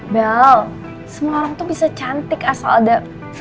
well semua orang tuh bisa cantik asal ada